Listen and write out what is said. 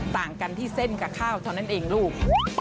ต่างกันที่เส้นกับข้าวเท่านั้นเองลูก